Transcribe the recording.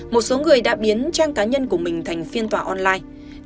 một số người đã biến trang cá nhân của mình thành phiên tòa online